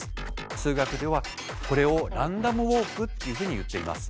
数学ではこれをランダムウォークっていうふうにいっています。